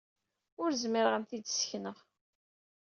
Ur zmireɣ ad am-t-id-ssekneɣ.